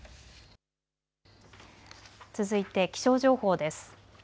続いて気象情報です。